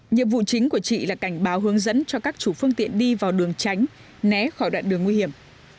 nhiệm vụ chính của chị là cảnh báo hướng dẫn cho các chủ phương tiện đi vào đường tránh né khỏi đoạn đường nguy hiểm